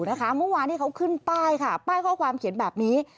เมื่อวานที่เขาขึ้นป้ายค่ะป้ายข้อความเขียนแบบนี้